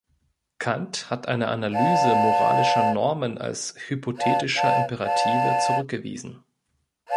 Kant hat eine Analyse moralischer Normen als hypothetischer Imperative zurückgewiesen.